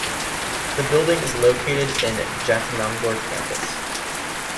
The building is located in Jatinangor campus.